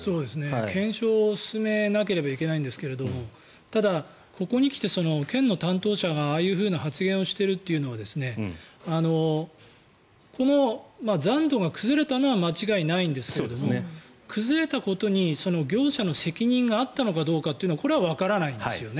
検証を進めなければいけないんですけれどもただ、ここに来て県の担当者がああいうふうな発言をしているというのはこの残土が崩れたのは間違いないんですけど崩れたことに業者の責任があったのかどうかはこれはわからないんですよね。